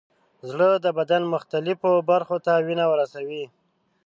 زړه د بدن مختلفو برخو ته وینه رسوي.